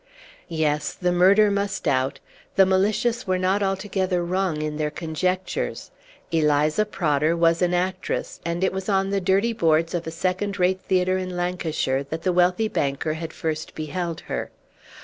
Yes, the murder must out; the malicious were not altogether wrong in their conjectures: Eliza Prodder was an actress; and it was on the dirty boards of a second rate theatre in Lancashire that the wealthy banker had first beheld her.